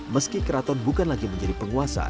meski keraton bukan lagi menjadi penguasa